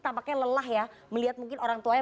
tampaknya lelah ya melihat mungkin orang tuanya